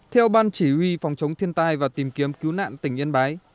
theo ban chỉ huy phòng chống thiên tai và tìm kiếm cứu nạn tỉnh yên bái